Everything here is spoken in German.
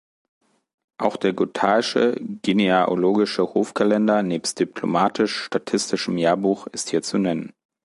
Auch der "»Gothaische Genealogische Hofkalender nebst diplomatisch-statistischem Jahrbuch«" ist hier zu nennen.